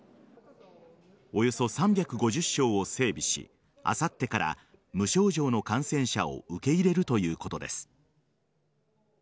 およそ３５０床を整備しあさってから無症状の感染者を受け入れるということです。